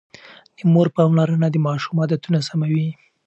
د مور پاملرنه د ماشوم عادتونه سموي.